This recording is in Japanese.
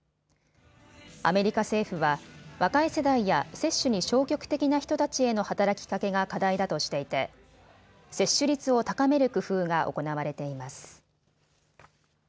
アメリカ政府は若い世代や接種に消極的な人たちへの働きかけが課題だとしていて接種率を高める工夫が行われています。